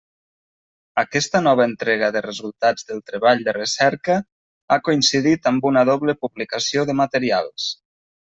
Aquesta nova entrega de resultats del treball de recerca ha coincidit amb una doble publicació de materials.